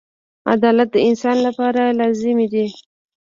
• عدالت د انسان لپاره لازمي دی.